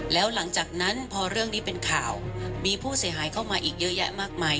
แล้วหลังจากนั้นพอเรื่องนี้เป็นข่าวมีผู้เสียหายเข้ามาอีกเยอะแยะมากมาย